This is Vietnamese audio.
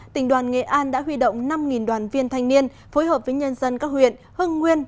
tỉnh đoàn nghệ an đã huy động năm đoàn viên thanh niên phối hợp với nhân dân các huyện hưng nguyên